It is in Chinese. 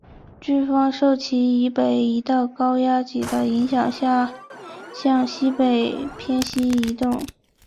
飓风受其以北的一道高压脊的影响下向西北偏西移动。